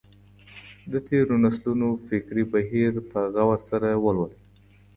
د تېرو نسلونو فکري بهير په غور سره ولولئ.